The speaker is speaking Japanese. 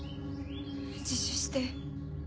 自首して。